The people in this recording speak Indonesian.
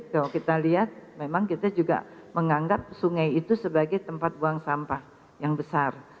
kalau kita lihat memang kita juga menganggap sungai itu sebagai tempat buang sampah yang besar